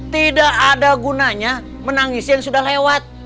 tidak ada gunanya menangis yang sudah lewat